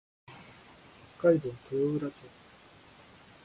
北海道豊浦町